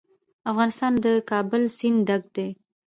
افغانستان له د کابل سیند ډک دی.